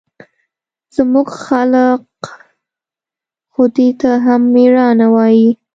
زموږ خلق خو دې ته هم مېړانه وايي.